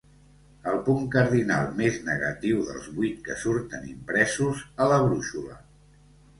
El punt cardinal més negatiu dels vuit que surten impresos a la brúixola.